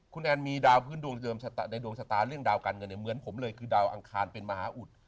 คุณแอนมีดาวพื้นดวงในดวงชะตาเรื่องดาวการเงินเหมือนผมเลยคือดาวอังคารเป็นมหาอุด